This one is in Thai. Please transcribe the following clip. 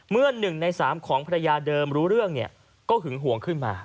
เมื่อ๑ใน๓ของภรรยาเดิมรู้เรื่องก็หึงห่วงขึ้นมา